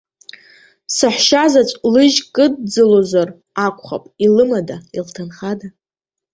Саҳәшьазаҵә лыжь кыдӡылозар акәхап, илымада, илҭынхада.